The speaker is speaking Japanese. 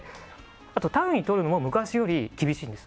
あと、単位取るのも昔より厳しいんです。